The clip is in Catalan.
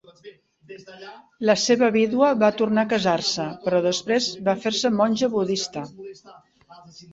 La seva vídua va tornar a casar-se, però després va fer-se monja budista.